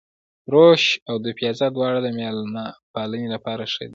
روش او دوپيازه دواړه د مېلمه پالنې لپاره ښه دي.